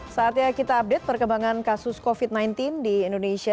saatnya kita update perkembangan kasus covid sembilan belas di indonesia